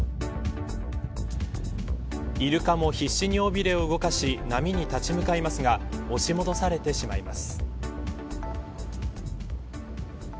イルカも必死に尾びれを動かし波に立ち向かいますが押し戻されてしまいます。